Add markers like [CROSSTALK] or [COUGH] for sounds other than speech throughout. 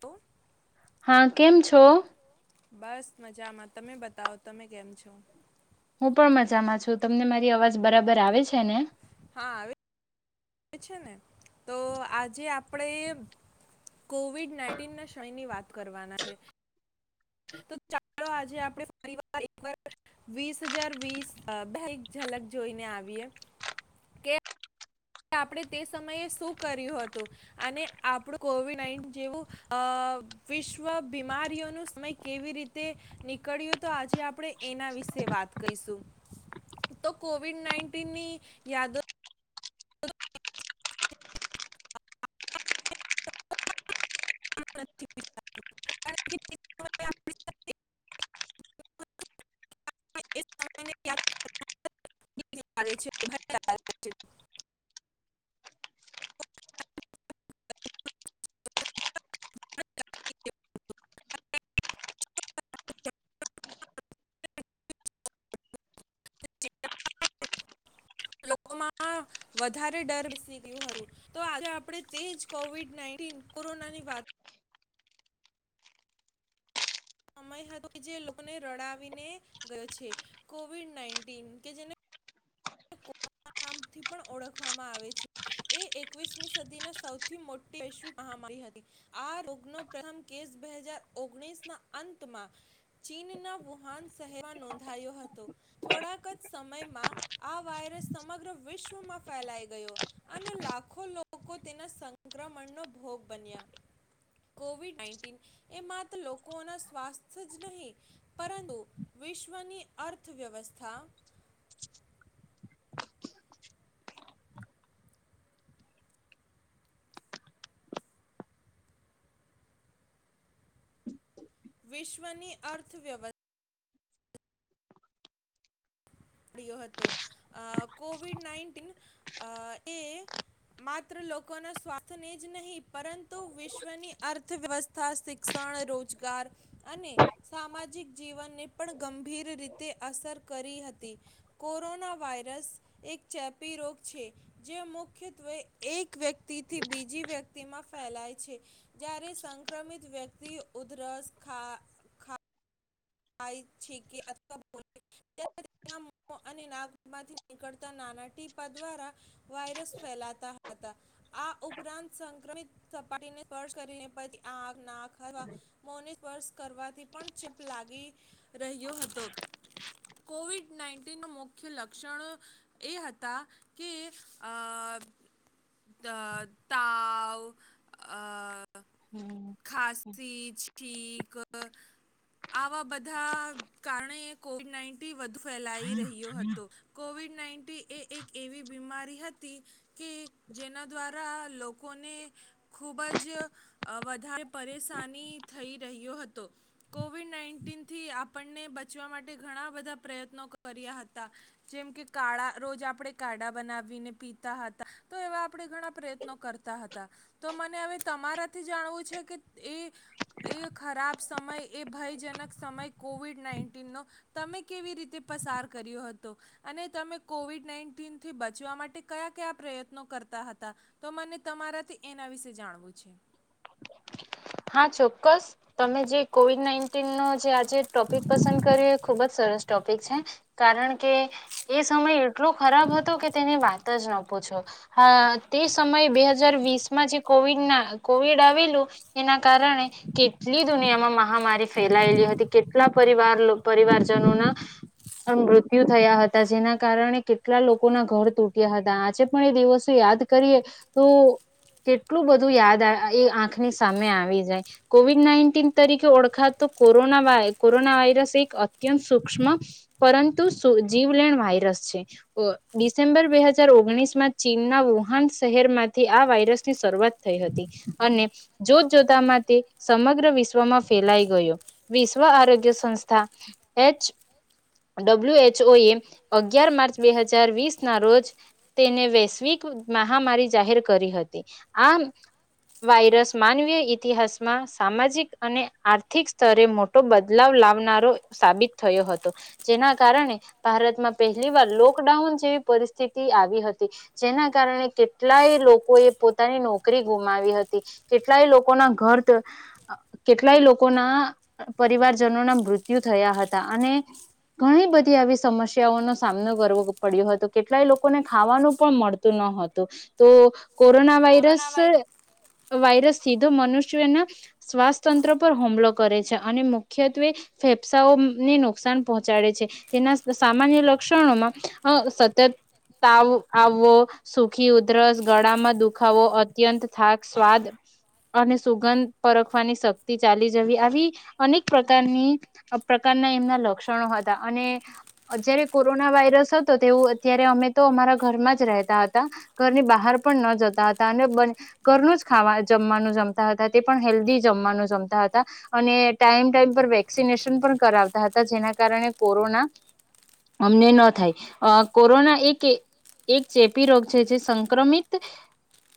લો હા, કેમ છો? બસ મજામાં. તમે બતાવો તમે કેમ છો? હું પણ મજામાં છું. તમને મારી અવાજ બરાબર આવે છે ને? હા, આવે છે ને તો આજે આપડે કોવિડ નાઈન્ટીન ના શયની વાત કરવાના છે. તો ચાલો આજે આપડે ફરી વાર એક વાર વીસ હજાર વીસ અહ બેક એક જલક જોઈને આવીએ કે આપડે તે સમયે શું કર્યું હતું અને આપડુ કોવિડ નાઈન જેવું અહ વિશ્વ બીમારીઓ નું સમય કેવી રીતે નીકળ્યું તો આજે આપડે એના વિશે વાત કરીશું. તો કોવિડ નાઈન્ટીનની યાદો [INAUDIBLE] [INAUDIBLE] [INAUDIBLE] [INAUDIBLE] લોકોમાં વધારે ડર બેસી ગઈ હરુ. તો આજે આપડે તેજ કોવિડ નાઇનટીન કોરોનાની વાત સમય હતો કે જે લોકોને રડાવીને ગયો છે. કોવિડ નાઇન્ટીન કે જેને નામ થી ઓળખવામાં આવે છે એ એકવીસમી સદીના સૌથી મોટી વૈશ્વ મહામારી હતી આ રોગનો પ્રથમ કેસ બે હજાર ઓગણીસ ના અંતમાં ચીનના વુહાન શહેરમાં નોંધાયો હતો થોડાક જ સમયમાં આ વાયરસ સમગ્ર વિશ્વમાં ફેલાઈ ગયો અને લાખો લોકો તેના સંક્રમણનો ભોગ બન્યા. કોવિડ નાઇન્ટીન એ માત્ર લોકોના સ્વાસ્થ્ય જ નહી પરંતુ વિશ્વની અર્થવ્યવસ્થા વિશ્વની અર્થવ્યવસ ડિયો હતો. અહ કોવિડ નાઇન્ટીન અહ એ માત્ર લોકોના સ્વાસ્થ્યને જ નહીં પરંતુ વિશ્વની અર્થવ્યવસ્થા શિક્ષણ રોજગાર અને સામાજિક જીવનને પણ ગંભીર રીતે અસર કરી હતી. કોરોના વાયરસ એક ચેપી રોગ છે જે મુખ્યત્વે એક વ્યક્તિથી બીજી વ્યક્તિમાં ફેલાય છે જ્યારે સંક્રમિત વ્યક્તિ ઉધરસ ખા ખા થાય છે કે અથવા [UNINTELLIGIBLE] અને નાકમાંથી નીકળતા નાના ટીપા દ્વારા વાયરસ ફેલાતા હતા આ ઉપરાંત સંક્રમિત સપાટીને સ્પર્શ કરીને પ આગ. [UNINTELLIGIBLE] સ્પર્સ કરવાથી પણ ચેપ લા ગી રહ્યો હતો કોવિડ નાઇન્ટીનું મુખ્ય લક્ષણ એ હતા કે અ તાવ અ ખાસી જ. [INAUDIBLE] આવા બધાં કારણે કોવિડ નાઇન્ટી વધુ ફેલાઈ રહ્યો હતો કોવિડ નાઇન્ટી એ એક એવી બીમારી હતી કે જેના દ્વારા લોકોને ખૂબ જ અ વધારે પરેશાની થઈ રહ્યો હતો કોવિડ નાઇન્ટીનથી આપણને બચવા માટે ઘણા બધાં પ્રયત્નો કર્યા હતા જેમ કે કાળા રોજ આપણે કાળા બનાવીને પીતા હતા તો એવા આપણે ઘણા પ્રયત્નો કરતા હતા તો મને હવે તમારાથી જાણવું છે કે એ એ ખરાબ સમય એ ભયજનક સમય કોવિડ નાઈન્ટીનનો તમે કેવી રીતે પસાર કર્યો હતો અને તમે કોવિડ નાઈન્ટીન થી બચવા માટે ક્યા ક્યા પ્રયત્નો કરતા હતા તો મને તમારાથી એના વિશે જાણવું છે. હા ચોક્કસ તમે જે કોવિડ નાઇન્ટિનનો જે આજે ટોપિક પસંદ કર્યો એ ખુબ જ સરસ ટોપિક છે કારણ કે એ સમય એટલો ખરાબ હતો કે તેની વાત જ ન પૂછો હા તે સમય બે હજાર વીસમાં જે કોવિડના કો આવેલું એના કારણે કેટલી દુનિયામાં મહામારી ફેલાયેલી હતી કેટલા પરવાર પરિવારજનોના મૃત્યુ થયા હતા જેના કારણે કેટલા લોકોના ઘર તૂટ્યા હતા આજે પણ એ દિવસો યાદ કરીએ તો કેટલું બધું યાદ આવે એ આંખની સામે આવી જાય કોવિડ નાઇન્ટિન તરીકે ઓળખાતો કોરોના વાય કોરોના વાયરસ એક અત્યંત સુૂક્ષ્મ પરંતુ જીવલેણ વાયરસ છે અ ડિસેમ્બર બે હજાર ઓગણીસ માં ચીનના વુહાન શહેરમાંથી આ વાયરસની શરૂઆત થઈ હતી. અને જોત જોતામાં તે સમગ્ર વિશ્વમાં ફેલાઈ ગયો. વિશ્વ આરોગ્ય સંસ્થા એચ ડબલ્યુ એચ ઓ એ અગિયાર માર્ચ બે હજાર વીસ ના રોજ તેને વૈશ્વિક મહામારી જાહેર કરી હતી આ વાયરસ માનવીય ઈતિહાસમાં સામાજિક અને આર્થિક સ્તરે મોટો બદલાવ લાવનારો સાબિત થયો હતો. જેના કારણે ભારતમાં પહેલી વાર લોકડાઉન જેવી પરિસ્થિતિ આવી હતી જેના કારણે કેટલાય લોકોએ પોતાની નોકરી ગુમાવી હતી કેટલાય લોકોના ઘર કેટલાય લોકોના પરિવારજનોના મૃત્યુ થયા હતા અને ઘણી બધી આવી સમસ્યાઓનો સામનો કરવો પડ્યો હતો કેટલાય લોકોને ખાવાનું પણ મળતું ન હતું તો કોરોના વાયરસ વાયરસ સીધો મનુષ્યના શ્વાસતંત્ર પર હુમલો કરે છે અને મુખ્યત્વે ફેફસાંઓને નુકસાન પહોંચાડે છે તેના સામાન્ય લક્ષણોમાં હહ સતત તાવ આવવો સુખી ઉધરસ, ગળામાં દુખાવો અત્યંત થાક સ્વાદ અને સુગંધ પરખવાની શક્તિ ચાલી જવી આવી અનેક પ્રકારની પ્રકારના એમના લક્ષણ ક્ષણો હતા અને જયારે કોરોના વાયરસ હતો તેવું અત્યારે અમે તો અમારા ઘરમાં જ રહેતા હતા ઘરની બહાર પણ ન જતા હતા અને ઘરનું જ ખા જમવાનું જમતા હતા તે પણ હેલ્ધી જમવાનું જમતા હતા. અને ટાઈમ ટાઈમ પર વેક્સિનેશન પણ કરાવતા હતા જેના કારણે કોરોના અમને ન થાય અ કોરોના એક એક ચેપી રોગ છે જે સંક્રમિત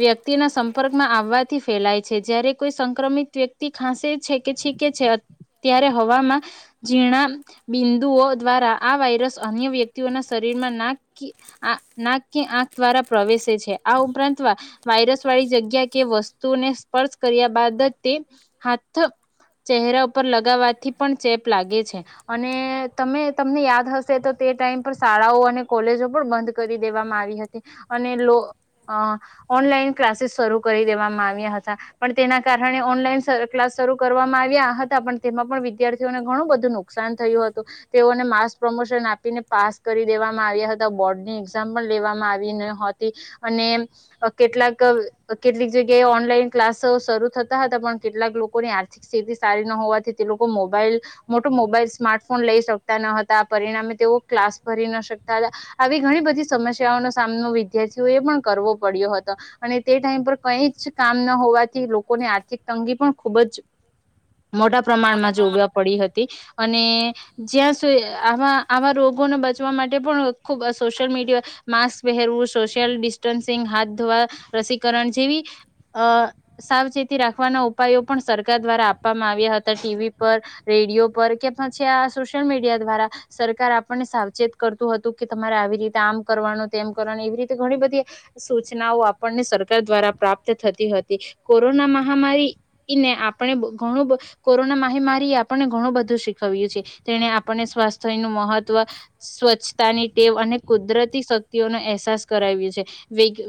વ્યક્તિના સંપર્કમાં આવવાથી ફેલાય છે જયારે કોઈ સંક્રમિત વ્યક્તિ ખાંસે છે કે છીકે છે ત્યારે હવામાં ઝીણા બિંદુઓ દ્વારા આ વાયરસ અન્ય વ્યક્તિઓના શરીરમાં નાક કે આ નાક કે આંખ દ્વારા પ્રવેશે છે આ ઉપરાંત વાયરસ વાળી જગ્યા કે વસ્તુઓને સ્પર્શ કર્યા બાદ જ તે હાથ ચહેરા ઉપર લગાવવાથી પણ ચેપ લાગે છે. અને તમે તમને યાદ હશે તો તે ટાઈમ પર શાળાઓ અને કોલેજો પણ બંધ કરી દેવામાં આવી હતી અને લો અ ઓનલાઈન ક્લાસીસ શરૂ કરી દેવામાં આવ્યા હતા પણ તેના કારણે ઓનલાઈન ક્લાસ શરૂ કરવામાં આવ્યા હતા પણ તેમાં પણ વિદ્યાર્થીઓને ઘણું બધું નુ નુકસાન થયું હતું તેઓને માસ પ્રમોશન આપીને પાસ કરી દેવામાં આવ્યા હતા બોર્ડની એક્ઝામ પણ લેવામાં આવી ન હતી અને કેટલાક કેટલીક જગ્યાએ ઓનલાઈન ક્લાસ શરૂ થતા હતા પણ કેટલાક લોકોની આર્થિક સ્થિતિ સારી ન હોવાથી તે લોકો મોબાઈલ મોટો મોબાઈલ સ્માર્ટફોન લઈ શકતા ન હતા પરિણામે તેઓ ક્લાસ ભરી ન શકતા હતા આવી ઘણી બધી સમસ્યાઓનો સામનો વિદ્યાર્થીઓએ પણ કરવો પડ્યો હતો અને તે ટાઈમ પર કઈ જ કામ ન હોવાથી લોકોની આર્થિક તંગી પણ ખૂબ જ મોટા પ્રમાણમાં જોગ પડી તી અને જ્યાં શું આવા આવા રોગોને બચવા માટે પણ ખુબ સોશિયલ મીડિયા માસ્ક પહેરવું, સોશિયલ ડિસ્ટન્સિંગ હાથ ધોવા રસીકરણ જેવી અ સાવચેતી રાખવાના ઉપાયો પણ સરકાર દ્વારા આપવામાં આવ્યા હતા ટીવી પર રેડિયો પર કે પછી આ સોશિયલ મીડિયા દ્વારા સરકાર આપણને સાવચેત કરતું હતું કે તમારે આવી રીતે આમ કરવાનું તેમ કરવાનું એવી રીતે ઘણી બધી સૂચનાઓ આપણને સરકાર દ્વારા પ્રાપ્ત થતી હતી. કોરોના મહામારીને આપણે ઘણું બધ કોરોના મહામારીએ આપણને ઘણું બધું બધું શીખવ્યું છે તેને આપણને સ્વાસ્થ્ય નું મહત્વ સ્વચ્છતાની ટેવ અને કુદરતી શક્તિઓનો અહેસાસ કરાવ્યો છે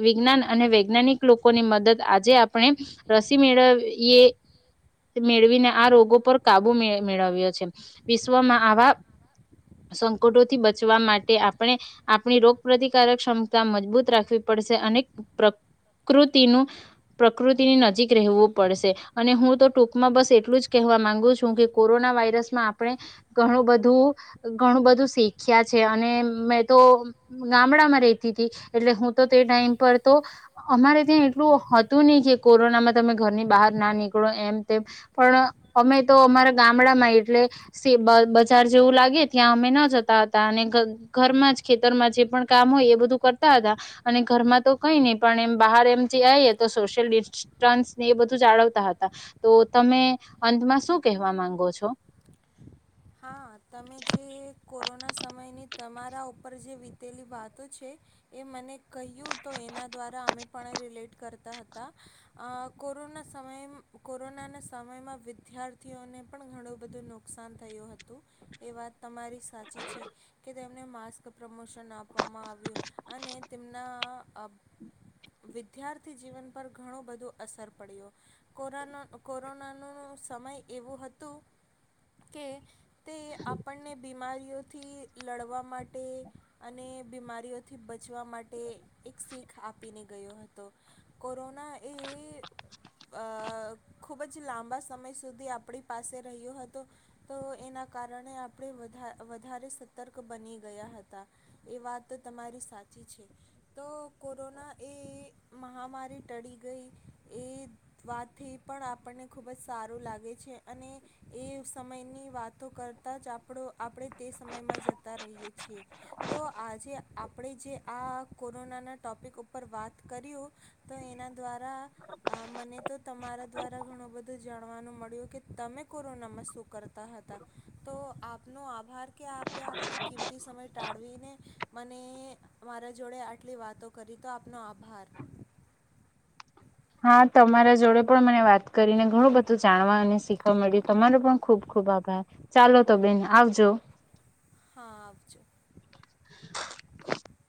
વિજ્ઞાન અને વૈજ્ઞાનિક લોકોની મદદ આજે આપણે રસી મેળવીએ મેળવીને આ રોગો પર કાબુ મેળવ્યો છે વિશ્વમાં આવા સંકટોથી બચવા માટે આપણે આપણી રોગ પ્રતિકારક ક્ષમતા મજબૂત રાખવી પડશે અને પ્રકૃતિનું પ્રકૃતિની નજીક રહેવું પડશે અને હું તો ટૂંકમાં બસ એટલું જ કહેવા માંગુ છું કે કોરોના વાયરસ માં આપણે ઘણું બધું ઘણું બધું શીખ્યા છે અને મેં તો ગામડામાં રેતીતી એટલે હું તો તે ટાઈમ પર તો અમારે ત્યાં એટલું હતું નહી કે કોરોનામાં તમે ઘરની બહાર ના નીકળો એમ તેમ પણ અમે તો અમારા ગામડામાં એટલે સેબ બજાર જેવું લાગે ત્યાં અમે ન જતા હતા અને ઘરમાં જ ખેતરમાં જે પણ કામ હોય એ બધું કરતા હતા અને ઘરમાં તો કઈ નહીં પણ એમ બહાર એમ જે આઈએ તો સોશિયલ ડિસ્ટન્સને એ બધું જાળવતા હતા તો તમે અંતમાં શું કહેવા માંગો છો? હા તમે જે કોરોના સમયની તમારા ઉપર જે વીતેલી વાતો છે એ મને કહ્યું તો એના દ્વારા અમે પણ રિલેટ કરતા હતા અ કોરોના સમય કોરોનાના સમયમાં વિદ્યાર્થીઓને પણ ઘણું બધું નુકસાન થયું હતું. એ વાત તમારી સાચી છે કે તેમને માસ્ક પ્રમોશન આપવામાં આવ્યું અને તેમના વિદ્યાર્થી જીવન પર ઘણું બધું અસર પડ્યો કોરો કોરોનાનો નો સમય એવું હતું કે તે આપણને બીમારી ઓથી લડવા માટે અને બીમારીઓથી બચવા માટે એક શીખ આપીને ગયો હતો કોરોના એ અ ખૂબ જ લાંબા સમય સુધી આપણી પાસે રહ્યો હતો તો એના કારણે આપણે વધા વધારે સતર્ક બની ગયા હતા એ તો તમારી સાચી છે. તો કોરોના એ મહામારી ટળી ગઈ એ વાતથી પણ આપણને ખૂબ જ સારું લાગે છે, અને એ સમયની વાત કરતાં જ આપણો આપણે તે સમયમાં જતા રહીએ છીએ, તો આજે આપણે જે આ કોરોનાના ટોપિક ઉપર વાત કર્યું, તો એના દ્વારા અ મને તો તમારા દ્વારા ઘણું બધું જાણવાનું મળ્યું કે તમે કોરોનામાં શું કરતા હતા. તો આપનો આભાર કે આપે આપનો કિંમતી સમય ટાળવીને, મને મારા જોડે આટલી વાતો કરી તો આપનો આભાર. હા તમારા જોડે પણ મને વાત કરીને ઘણું બધું જાણવા અને શીખવા મળ્યું તમારો પણ ખુબ ખુબ આભાર, ચાલો તો બેન આવજો. હા આવજો. [INAUDIBLE]